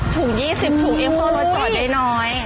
๑๐ถุง๒๐ถุงเอเว่โค่นรถจอดได้น้อย